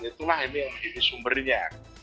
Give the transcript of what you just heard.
itulah ini sumbernya